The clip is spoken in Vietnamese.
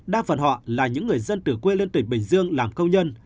đa phần họ là những người dân từ quê lên tỉnh bình dương làm công nhân